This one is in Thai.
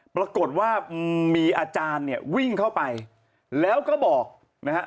ปรากฏว่ามีอาจารย์เนี่ยวิ่งเข้าไปแล้วก็บอกนะฮะ